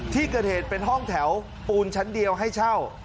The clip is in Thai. ที่เกิดเหตุเป็นห้องแถวปูนชั้นเดียวให้เช่า